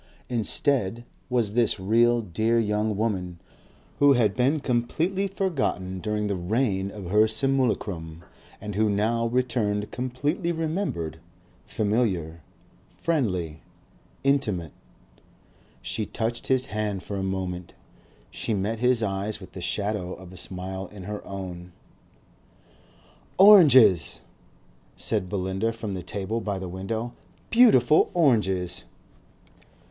Instead was this real dear young woman, who had been completely forgotten during the reign of her simulacrum and who now returned completely remembered, familiar, friendly, intimate. She touched his hand for a moment, she met his eyes with the shadow of a smile in her own. "Oranges!" said Belinda from the table by the window. "Beautiful oranges."